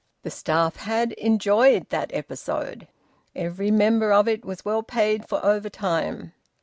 The staff had enjoyed that episode. Every member of it was well paid for overtime.